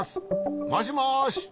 もしもし。